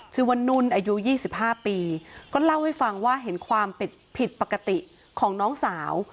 ชื่อว่านุ่นอายุ๒๕ปีก็เล่าให้ฟังว่าเห็นความผิดปกติของน้องสาว